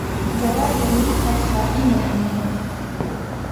Иара ианиҭахха имашәымкын…